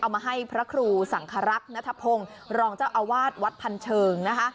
มาให้พระครูสังครักษ์นัทพงศ์รองเจ้าอาวาสวัดพันเชิงนะคะ